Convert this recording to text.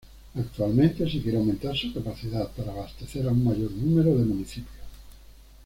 Actualmente se quiere aumentar su capacidad para abastecer a un mayor número de municipios.